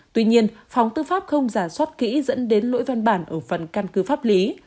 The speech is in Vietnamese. tuy nhiên phòng tư pháp không giả soát kỹ dẫn đến lỗi văn bản ở phần căn cứ pháp lý